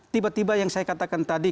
tiba tiba yang saya katakan tadi